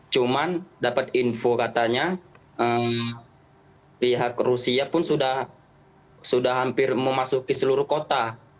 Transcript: cuman dapat info katanya pihak rusia pun sudah hampir memasuki seluruh kota